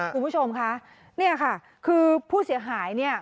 คุณผู้ชมคะเนี่ยค่ะคือผู้เสียหายเนี่ย